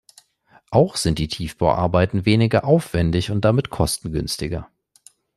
Auch sind die Tiefbauarbeiten weniger aufwendig und damit kostengünstiger.